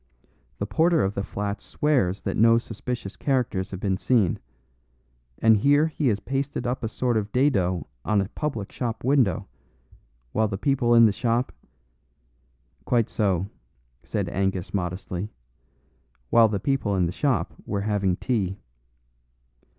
The porter of the flats swears that no suspicious characters have been seen, and here he has pasted up a sort of dado on a public shop window, while the people in the shop " "Quite so," said Angus modestly, "while the people in the shop were having tea.